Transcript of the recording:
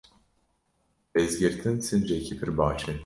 Rêzgirtin, sincekî pir baş e.